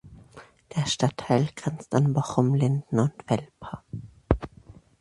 Der Stadtteil grenzt an Bochum-Linden und Welper.